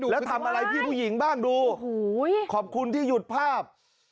แล้วทำอะไรพี่ผู้หญิงบ้างดูโอ้โหขอบคุณที่หยุดภาพ